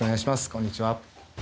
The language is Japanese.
こんにちは。